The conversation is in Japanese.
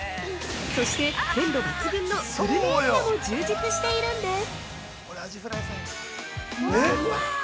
そして、鮮度抜群のグルメエリアも充実しているんです！